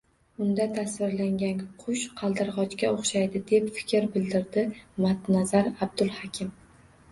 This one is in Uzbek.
Unda tasvirlangan qush qaldirgʻochga oʻxshaydi, — deya fikr bildirdi Matnazar Abdulhakim